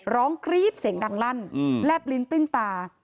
กรี๊ดเสียงดังลั่นแลบลิ้นปิ้นตา